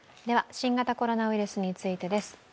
新型コロナウイルスについてです。